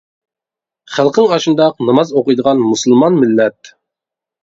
خەلقىڭ ئاشۇنداق ناماز ئوقۇيدىغان مۇسۇلمان مىللەت.